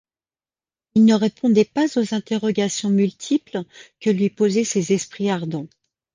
Il ne répondait pas aux interrogations multiples que lui posaient ces esprits ardents.